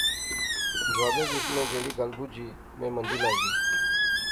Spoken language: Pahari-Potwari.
جوابے وچ میں جہیڑی گل بجی میں مندی لغی